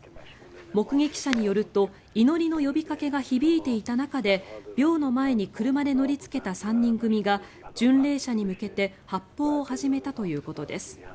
目撃者によると祈りの呼びかけが響いていた中で廟の前に車で乗りつけた３人組が巡礼者に向けて発砲を始めたということです。